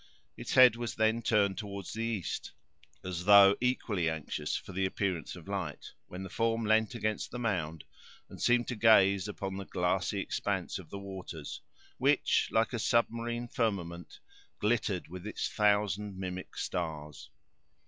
Its head was then turned toward the east, as though equally anxious for the appearance of light, when the form leaned against the mound, and seemed to gaze upon the glassy expanse of the waters, which, like a submarine firmament, glittered with its thousand mimic stars.